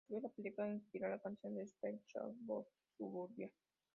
A su vez, la película inspiró la canción de los Pet Shop Boys "Suburbia".